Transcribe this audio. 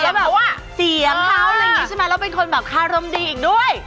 เสียงเขาอะไรเงี้ยแล้วเป็นคนข้ารมดีอีกด้วย